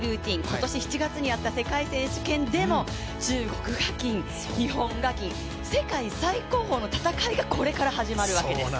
今年７月にやった世界選手権でも中国が金、日本が銀、世界最高峰の戦いがこれから始まるわけです。